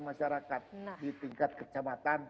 masyarakat di tingkat kecamatan